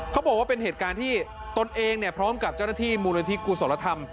เขาบอกว่าเป็นเหตุการณ์ที่ตนเองพร้อมกับเจ้าหน้าที่มูลนิธิกุศลธรรม